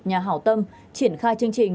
nhà hạo tâm triển khai chương trình